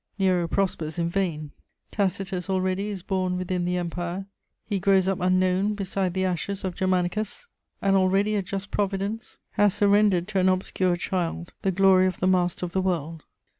Nero prospers in vain, Tacitus already is born within the Empire; he grows up unknown beside the ashes of Germanicus, and already a just Providence has surrendered to an obscure child the glory of the master of the world.